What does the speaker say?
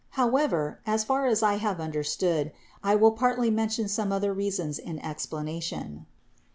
However, as far as I have understood, I will partly men tion some other reasons in explanation.